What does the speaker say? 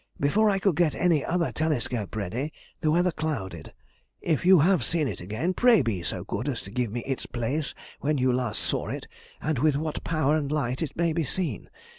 Before I could get any other telescope ready, the weather clouded. If you have seen it again, pray be so good as to give me its place when you saw it last, and with what power and light it may be seen.